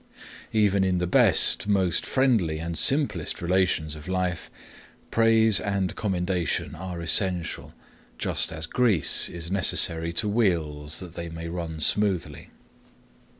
Even in the best, most friendly and simplest relations of life, praise and commendation are essential, just as grease is necessary to wheels that they may run smoothly.